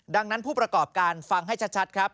คุณผู้ประกอบการฟังให้ชัดครับ